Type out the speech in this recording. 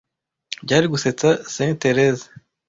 byari gusetsa saint thérèse